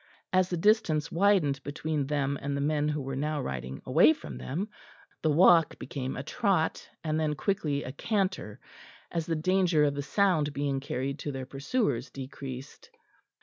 As the distance widened between them and the men who were now riding away from them, the walk became a trot, and then quickly a canter, as the danger of the sound being carried to their pursuers decreased.